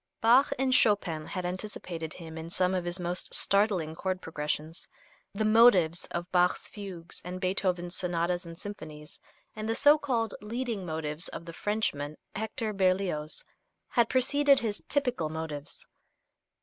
Bach and Chopin had anticipated him in some of his most startling chord progressions. The motives of Bach's fugues and Beethoven's sonatas and symphonies, and the so called "leading motives" of the Frenchman, Hector Berlioz, had preceded his "typical motives."